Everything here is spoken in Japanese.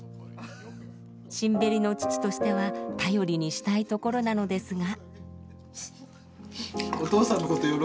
新縁の父としては頼りにしたいところなのですが。